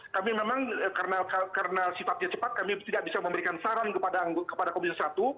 kami memang karena sifatnya cepat kami tidak bisa memberikan saran kepada komisi satu